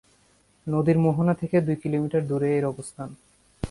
নদীর মোহনা থেকে দুই কিলোমিটার দূরে এর অবস্থান।